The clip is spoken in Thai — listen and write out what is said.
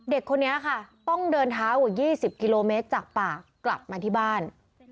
เด็กคนนี้ค่ะต้องเดินเท้ากว่า๒๐กิโลเมตรจากป่ากลับมาที่บ้าน